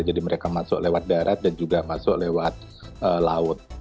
jadi mereka masuk lewat darat dan juga masuk lewat laut